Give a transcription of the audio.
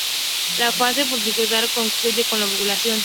La fase folicular concluye con la ovulación.